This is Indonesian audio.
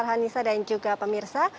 farhan nisa dan juga pemirsa